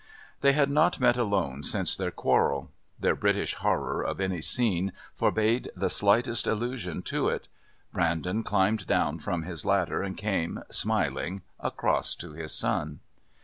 They had not met alone since their quarrel; their British horror of any scene forbade the slightest allusion to it. Brandon climbed down from his ladder and came, smiling, across to his son.